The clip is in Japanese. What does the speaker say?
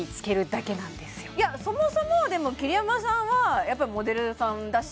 そもそもでも桐山さんはやっぱりモデルさんだし